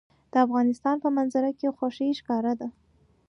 د افغانستان په منظره کې غوښې ښکاره ده.